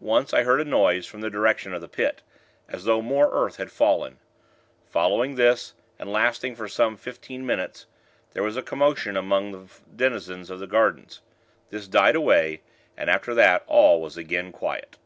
Once, I heard a noise, from the direction of the Pit, as though more earth had fallen. Following this, and lasting for some fifteen minutes, there was a commotion among the denizens of the gardens. This died away, and, after that all was again quiet.